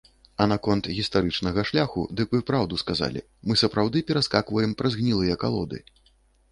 А наконт гістарычнага шляху, дык вы праўду сказалі, мы сапраўды пераскакваем праз гнілыя калоды.